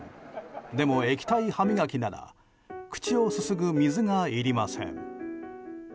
でも液体ハミガキなら口をすすぐ水がいりません。